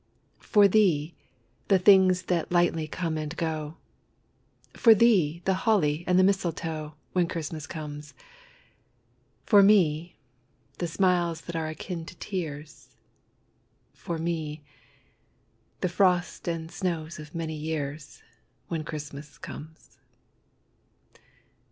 For thee, the things that lightly come and go, For thee, the holly and the mistletoe, When Christmas comes. For me, the smiles that are akin to tears, For me, the frost and snows of many years, When Christmas comes.